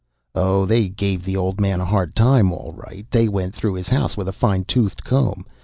"Oh, they gave the old man a hard time, all right. They went through his house with a fine toothed comb.